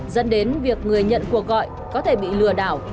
dẫn đến việc người nhận cuộc gọi có thể bị lừa đảo